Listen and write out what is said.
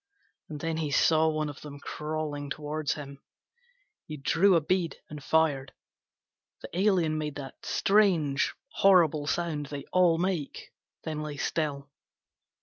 And then he saw one of them crawling toward him. He drew a bead and fired. The alien made that strange horrible sound they all make, then lay still.